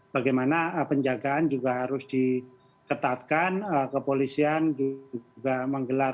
bagaimana penjagaan juga harus diketatkan kepolisian juga menggelar